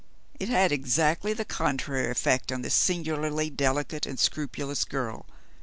It had exactly the contrary effect on this singularly delicate and scrupulous girl.